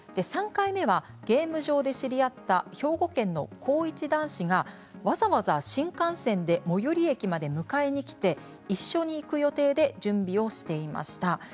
３回目はゲーム上で知り合った兵庫県の高１男子がわざわざ新幹線で最寄り駅まで迎えに来て一緒に行く予定で準備をしていました。